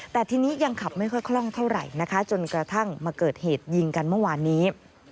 แต่ทีนี้ยังขับไม่ค่อยคล่องเท่าไหร่นะคะจนกระทั่งมาเกิดเหตุยิงกันเมื่อวานนี้